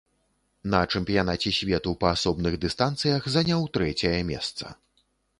На чэмпіянаце свету па асобных дыстанцыях заняў трэцяе месца.